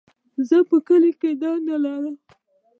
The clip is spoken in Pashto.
زه په کلي کي دنده لرم.